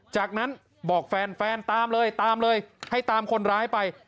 จากนั้นบอกแฟนแฟนตามเลยตามเลยให้ตามคนร้ายไป